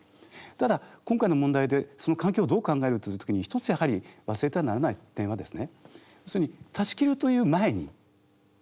ただ今回の問題でその関係をどう考えるという時に一つやはり忘れてはならない点はですね